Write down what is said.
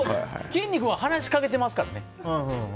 きんに君は話しかけてますからね。